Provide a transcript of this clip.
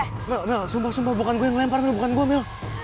nggak nggak sumpah sumpah bukan gue yang lempar mel bukan gue mel